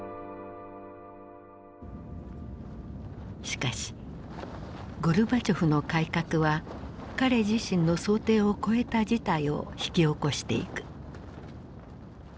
しかしゴルバチョフの改革は彼自身の想定を超えた事態を引き起こしていく。